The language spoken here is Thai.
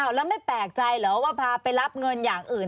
แล้วไม่แปลกใจเหรอว่าพาไปรับเงินอย่างอื่น